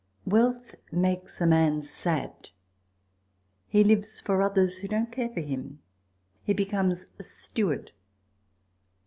Wealth makes a man sad he lives for others who don't care for him he becomes a steward.